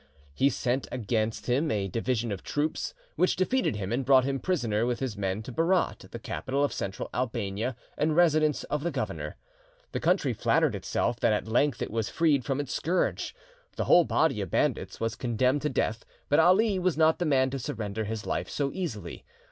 He sent against him a division of troops, which defeated him and brought him prisoner with his men to Berat, the capital of Central Albania and residence of the governor. The country flattered itself that at length it was freed from its scourge. The whole body of bandits was condemned to death; but Ali was not the man to surrender his life so easily.